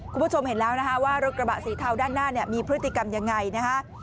คุณผู้ชมเห็นแล้วนะคะว่ารถกระบะสีเทาด้านหน้าเนี่ยมีพฤติกรรมยังไงนะฮะ